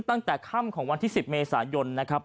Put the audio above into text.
เวลาครำของวันที่๑๐เมษายน